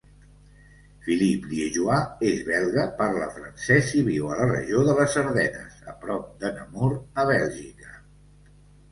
Philippe Liégeois és belga, parla francès i viu a la regió de les Ardenes, a prop de Namur, a Bèlgica.